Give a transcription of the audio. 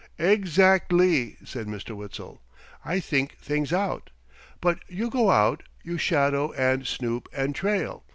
"Ex act ly!" said Mr. Witzel. "I think things out. But you go out. You shadow and snoop and trail.